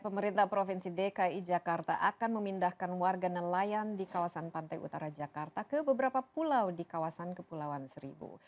pemerintah provinsi dki jakarta akan memindahkan warga nelayan di kawasan pantai utara jakarta ke beberapa pulau di kawasan kepulauan seribu